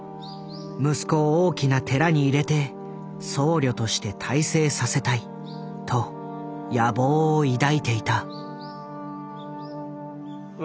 息子を大きな寺に入れて僧侶として大成させたいと野望を抱いていた。